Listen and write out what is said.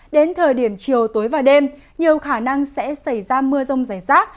đến thời điểm chiều tối và đêm nhiều khả năng sẽ xảy ra mưa rông rải rác